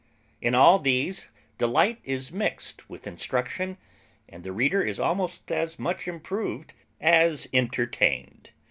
In all these delight is mixed with instruction, and the reader is almost as much improved as entertained.